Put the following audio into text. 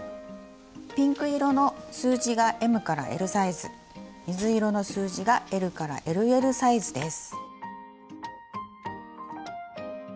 ピンク色の数字がＭＬサイズ水色の数字がＬＬＬサイズです。